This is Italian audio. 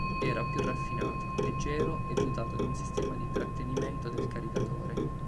Era più raffinato, leggero e dotato di un sistema di trattenimento del caricatore.